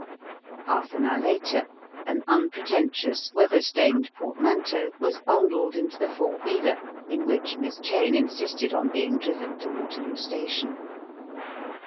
Half an hour later an unpretentious, weather stained portmanteau was bundled into the four wheeler in which Miss Cheyne insisted on being driven to Waterloo Station.